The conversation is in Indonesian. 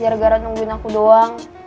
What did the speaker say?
gara gara nungguin aku doang